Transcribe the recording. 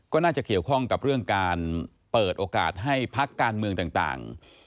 ก็น่าจะเกี่ยวข้องกับเรื่องการเปิดโอกาสให้พักการเมืองต่าง